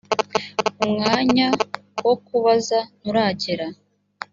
umwanya wokubaza nturagera.